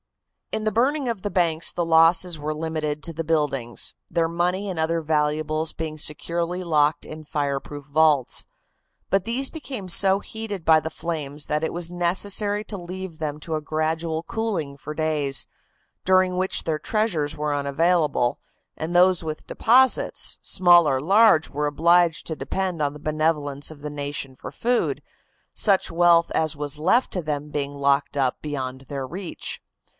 In the burning of the banks the losses were limited to the buildings, their money and other valuables being securely locked in fireproof vaults. But these became so heated by the flames that it was necessary to leave them to a gradual cooling for days, during which their treasures were unavailable, and those with deposits, small or large, were obliged to depend on the benevolence of the nation for food, such wealth as was left to them being locked up beyond their reach.